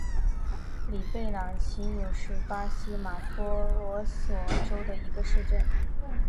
里贝朗齐纽是巴西马托格罗索州的一个市镇。